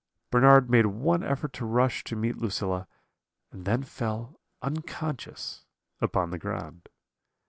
"Bernard made one effort to rush to meet Lucilla, and then fell unconscious upon the ground.